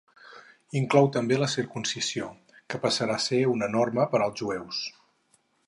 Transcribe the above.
Inclou també la circumcisió, que passarà a ser una norma per als jueus.